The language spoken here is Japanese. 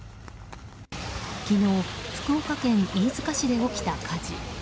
昨日、福岡県飯塚市で起きた火事。